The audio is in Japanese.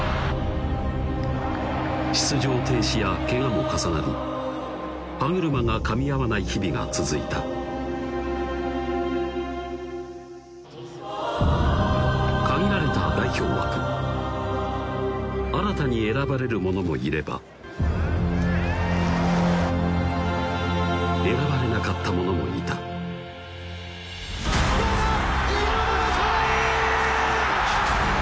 出場停止やけがも重なり歯車がかみ合わない日々が続いた限られた代表枠新たに選ばれる者もいれば選ばれなかった者もいたどうだトライ！